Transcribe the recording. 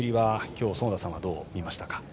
今日、園田さんはどう見ましたか？